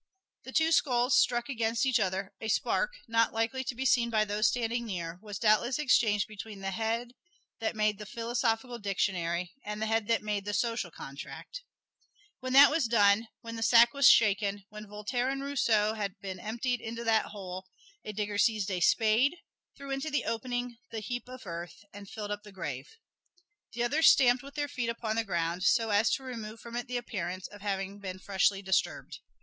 The two skulls struck against each other; a spark, not likely to be seen by those standing near, was doubtless exchanged between the head that made 'The Philosophical Dictionary' and the head that made 'The Social Contract,' When that was done, when the sack was shaken, when Voltaire and Rousseau had been emptied into that hole, a digger seized a spade, threw into the opening the heap of earth, and filled up the grave. The others stamped with their feet upon the ground, so as to remove from it the appearance of having been freshly disturbed.